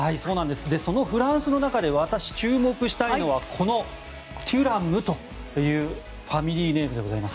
そのフランスの中で私、注目したいのはこのテュラムというファミリーネームでございます。